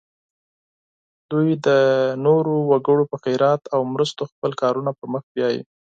دوی د نورو وګړو په خیرات او مرستو خپل کارونه پر مخ بیایي.